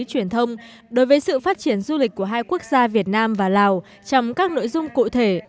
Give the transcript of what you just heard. truyền thông đối với sự phát triển du lịch của hai quốc gia việt nam và lào trong các nội dung cụ thể